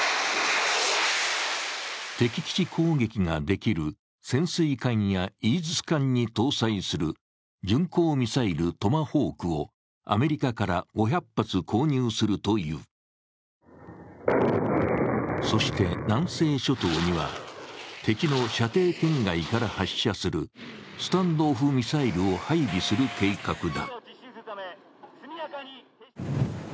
敵基地攻撃ができる潜水艦やイージス艦に搭載する巡航ミサイル・トマホークをアメリカから５００発購入するというそして南西諸島には敵の射程圏外から発射するスタンド・オフ・ミサイルを配備する計画だ。